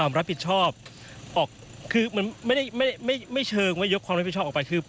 ไม่เชิงว่ายกความรับผิดชอบออกไป